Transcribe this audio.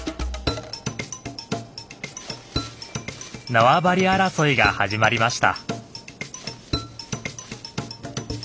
縄張り争いが始まりました。